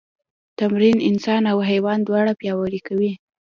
تمرین انسان او حیوان دواړه پیاوړي کوي.